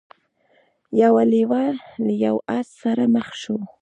یو لیوه له یو آس سره مخ شو.